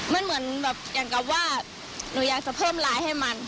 มันเหมือนแบบอย่างกับว่าหนูอยากจะเพิ่มไลน์ให้มัน